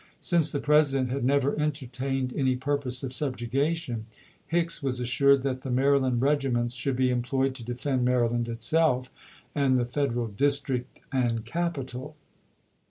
Since the Presi dent had never entertained any purpose of " sub jugation," Hicks was assured that the Maryland regiments should be employed to defend Maryland itself and the Federal District and capital.